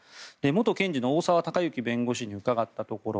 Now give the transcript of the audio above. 元検事の大澤孝征弁護士に伺ったところ